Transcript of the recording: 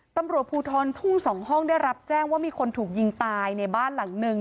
ตำรวจภูทรทุ่งสองห้องได้รับแจ้งว่ามีคนถูกยิงตายในบ้านหลังนึง